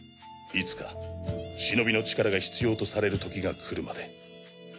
いつかシノビの力が必要とされる時がくるまで。